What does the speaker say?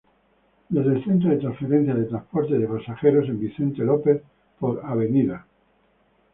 Desde el centro de transferencia de transporte de pasajeros en Vicente López por Av.